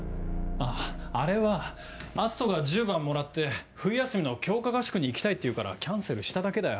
あぁあれは篤斗が１０番もらって冬休みの強化合宿に行きたいっていうからキャンセルしただけだよ。